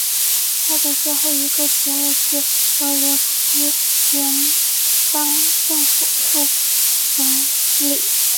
他的最后一个职位是俄罗斯联邦政府副总理。